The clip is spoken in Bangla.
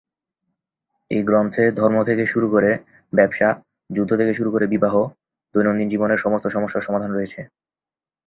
এই গ্রন্থে ধর্ম থেকে শুরু করে ব্যবসা, যুদ্ধ থেকে শুরু করে বিবাহ, দৈনন্দিন জীবনের সমস্ত সমস্যার সমাধান রয়েছে।